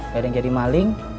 gak ada yang jadi maling